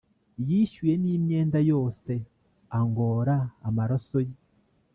Yishyuye n’imyenda yose angora amaraso ye